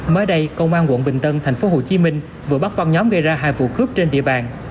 mới đây công an quận bình tân tp hcm vừa bắt băng nhóm gây ra hai vụ cướp trên địa bàn